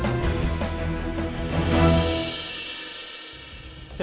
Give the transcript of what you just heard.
ada yang mau ketemu